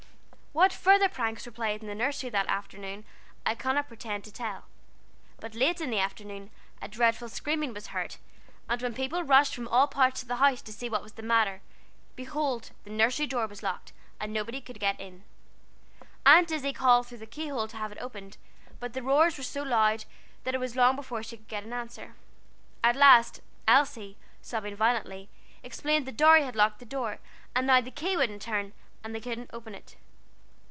What further pranks were played in the nursery that day, I cannot pretend to tell. But late in the afternoon a dreadful screaming was heard, and when people rushed from all parts of the house to see what was the matter, behold the nursery door was locked, and nobody could get in. Aunt Izzie called through the keyhole to have it opened, but the roars were so loud that it was long before she could get an answer. At last Elsie, sobbing violently, explained that Dorry had locked the door, and now the key wouldn't turn, and they couldn't open it.